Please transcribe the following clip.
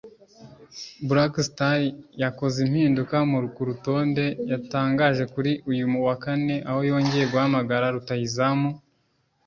Black Stars yakoze impinduka mu rutonde yatangaje kuri uyu wa kane aho yongeye guhamagara rutahizamu